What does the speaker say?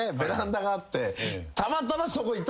たまたま。